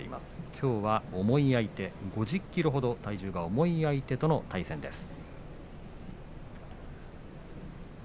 きょうは５０ｋｇほど体重が重い相手との対戦です。